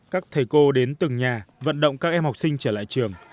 các thầy cô đến từng nhà vận động các em học sinh trở lại trường